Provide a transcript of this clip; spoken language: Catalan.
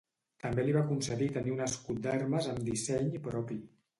També li va concedir tenir un escut d'armes amb disseny propi.